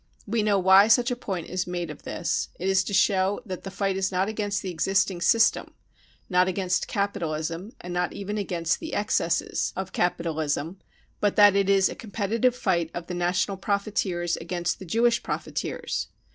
We know why such a point is made of this ; it is to show that the fight is not against the existing system, not against capit alism and not even against the excesses of capitalism, but that it is a competitive fight of the national profiteers against the Jewish profiteers.